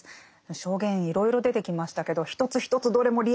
証言いろいろ出てきましたけど一つ一つどれもリアルですよね。